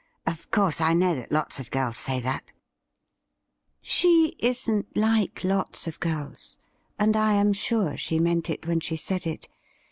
Of course, I know that lots of girls say that,' ' She isn't like lots of girls, and I am sure she meant it when she said it.